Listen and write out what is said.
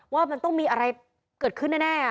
ว่ามันต้องมีอะไรเกิดขึ้นแน่